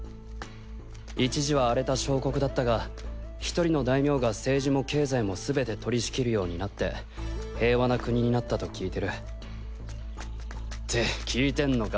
一時は荒れた小国だったが１人の大名が政治も経済もすべて取り仕切るようになって平和な国になったと聞いてる。って聞いてんのか？